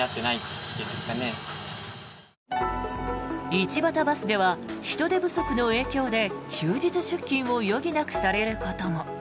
一畑バスでは人手不足の影響で休日出勤を余儀なくされることも。